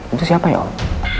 itu siapa ya om